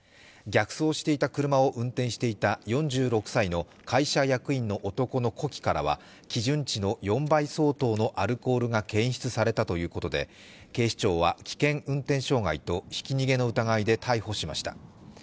逆走していた車を運転していた４６歳の会社役員の男の呼気からは基準値の４倍相当のアルコールが検出されたということで警視庁は、危険運転傷害とひき逃げの疑いで逮捕しました。